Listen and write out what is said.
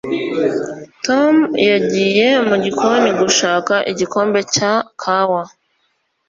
Tom yagiye mu gikoni gushaka igikombe cya kawa.